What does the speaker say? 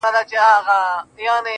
نوم مي د ليلا په لاس کي وليدی,